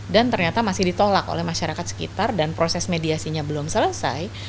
ternyata masih ditolak oleh masyarakat sekitar dan proses mediasinya belum selesai